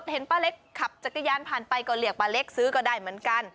เห็นป้าเล็กขับจักรยานผ่านไปก็เรียกป้าเล็กซื้อก็ได้เหมือนกัน